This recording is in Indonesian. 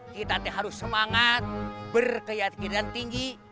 kita harus semangat berkeyakinan tinggi